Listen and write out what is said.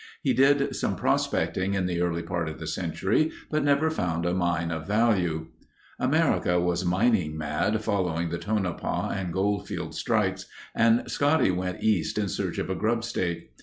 He did some prospecting in the early part of the century, but never found a mine of value. America was mining mad following the Tonopah and Goldfield strikes and Scotty went East in search of a grubstake.